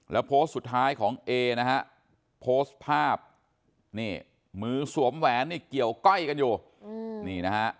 แล้วโพสต์สุดท้ายของเอ้โพสต์ภาพมือสวมแหวนเกี่ยวก้อยกันอยู่